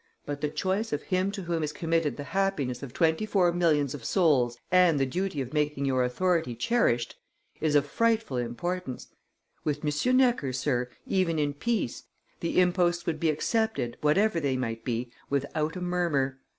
But the choice of him to whom is committed the happiness of twenty four millions of souls and the duty of making your authority cherished is of frightful importance. With M. Necker, Sir, even in peace, the imposts would be accepted, whatever they might be, without a murmur.